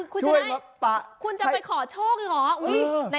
คุณชนะคุณจะไปขอโชคหรือหรือ